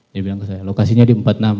dia bilang ke saya lokasinya di empat puluh enam